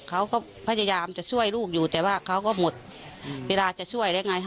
เขาก็พยายามจะช่วยลูกอยู่แต่ว่าเขาก็หมดเวลาจะช่วยได้ไง